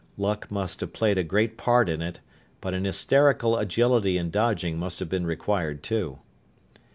Luck must have played a great part in it, but an hysterical agility in dodging must have been required, too.